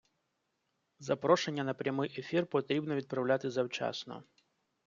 Запрошення на прямий ефір потрібно відправляти завчасно